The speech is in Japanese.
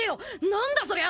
何だそりゃ！